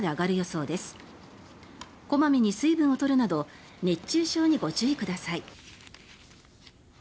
小まめに水分を取るなど熱中症にご注意ください。